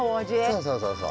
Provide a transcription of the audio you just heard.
そうそうそうそう。